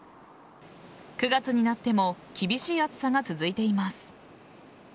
９月になっても厳しい暑さが続いています。